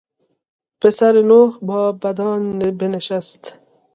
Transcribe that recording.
پسر نوح با بدان بنشست.